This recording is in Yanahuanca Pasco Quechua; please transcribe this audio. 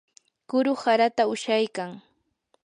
kuru harata ushaykan.